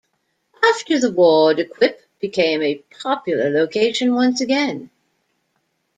After the war, De Kuip became a popular location once again.